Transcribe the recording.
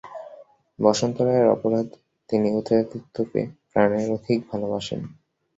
বসন্ত রায়ের অপরাধ, তিনি উদয়াদিত্যকে প্রাণের অধিক ভালবাসেন।